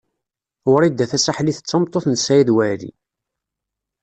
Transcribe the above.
Wrida Tasaḥlit d tameṭṭut n Saɛid Waɛli.